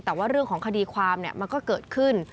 แต่ว่าเรื่องของคดีความมันก็เกิดขึ้น